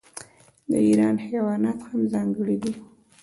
د ایران حیوانات هم ځانګړي دي.